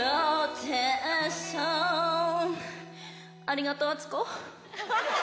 ありがとう。